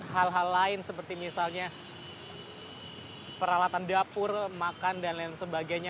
hal hal lain seperti misalnya peralatan dapur makan dan lain sebagainya